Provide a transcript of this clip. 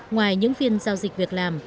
ngoài những phiên giao dịch việc làm